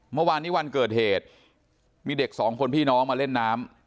เมื่อวานนี้วันเกิดเหตุมีเด็กสองคนพี่น้องมาเล่นน้ำ